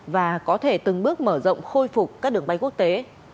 và có thể từng bước mở rộng khôi phục các đường bay quốc tế